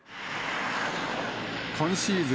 今シーズン